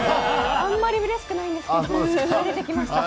あんまりうれしくないんですけど慣れてきました。